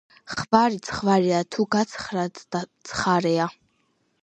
ხვარი ცხვარია თუ გაცხარდა ცხარეა.